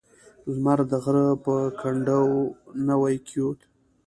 لمر د غره په کنډو نوی کېوت.